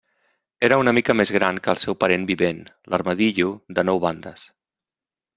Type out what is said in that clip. Era una mica més gran que el seu parent vivent, l'armadillo de nou bandes.